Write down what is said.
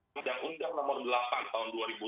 yang undang nomor delapan tahun